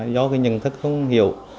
do nhận thức không hiểu